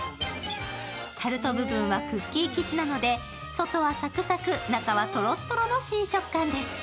タルト部分はクッキー生地なので、外はサクサク中はとろっとろの新食感です。